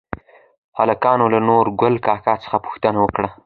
هلکانو له نورګل کاکا څخه پوښتنه وکړه؟